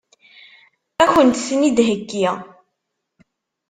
Ad kent-ten-id-theggi?